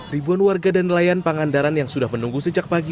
ribuan warga dan nelayan pangandaran yang sudah menunggu sejak pagi